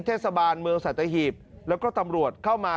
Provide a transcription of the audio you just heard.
เทศบาลเมืองสัตหีบแล้วก็ตำรวจเข้ามา